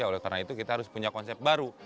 oleh karena itu kita harus punya konsep baru